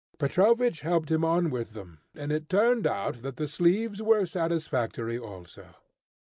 Petrovich helped him on with them, and it turned out that the sleeves were satisfactory also.